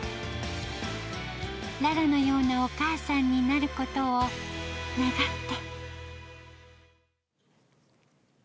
ララのようなお母さんになることを願って。